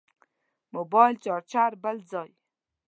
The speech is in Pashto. موبایل چارچر بل ځای.